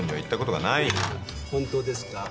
本当ですか？